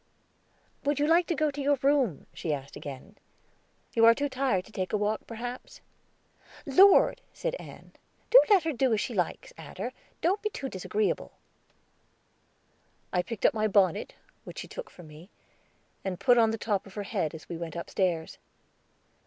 "Would you like to go to your room?" she asked again. "You are too tired to take a walk, perhaps?" "Lord!" said Ann, "do let her do as she likes. Adder, don't be too disagreeable." I picked up my bonnet, which she took from me, and put on the top of her head as we went upstairs.